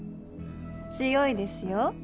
強いですよ。